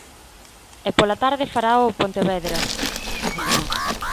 E pola tarde farao o Pontevedra.